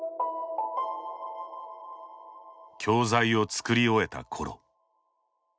教材を作り終えたころ。